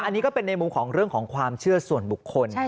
อันนี้ก็เป็นในมุมของเรื่องของความเชื่อส่วนบุคคล